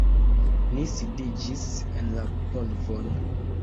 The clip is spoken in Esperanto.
Ni sidiĝis en la polvon.